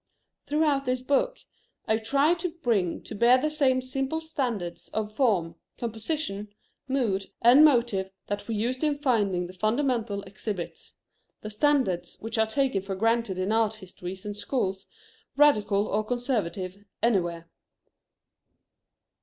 Throughout this book I try to bring to bear the same simple standards of form, composition, mood, and motive that we used in finding the fundamental exhibits; the standards which are taken for granted in art histories and schools, radical or conservative, anywhere.